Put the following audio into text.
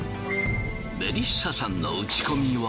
メリッサさんの打ち込みは。